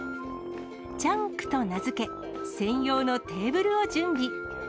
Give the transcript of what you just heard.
チャンクと名付け、専用のテーブルを準備。